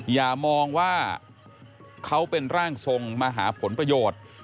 อย่ามองว่าเขาเป็นร่างทรงมาหาผลประโยชน์